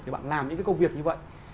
thì bạn làm những cái công việc như vậy